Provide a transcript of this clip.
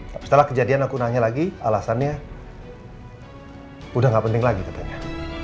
setelah kejadian aku nanya lagi alasannya udah gak penting lagi katanya